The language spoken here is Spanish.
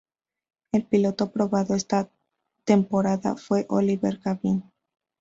El piloto probador esa temporada fue Oliver Gavin.